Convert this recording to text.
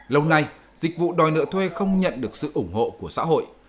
lâu nay dịch vụ đòi nợ thuê không nhận được sự ủng hộ của xã hội